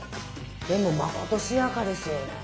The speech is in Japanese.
でもまことしやかですよね。